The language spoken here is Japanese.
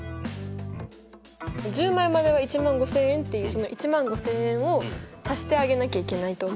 １０枚までは１５０００円っていうその１５０００円を足してあげなきゃいけないと思う。